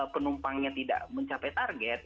penumpangnya tidak mencapai target